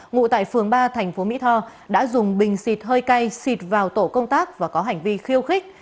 ngụ tại phường ba thành phố mỹ tho đã dùng bình xịt hơi cay xịt vào tổ công tác và có hành vi khiêu khích